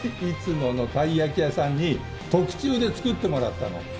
いつものたい焼き屋さんに特注で作ってもらったの。